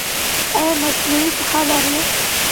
ایا مصنوعي پښه لرئ؟